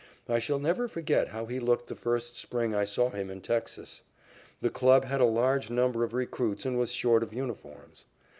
I shall never forget how he looked the first spring I saw him in Texas. The club had a large number of recruits and was short of uniforms.